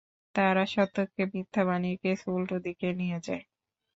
তারা সত্যকে মিথ্যা বানিয়ে কেস উল্টো দিকে নিয়ে যায়।